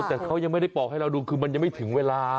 แต่เขายังไม่ได้บอกให้เราดูคือมันยังไม่ถึงเวลา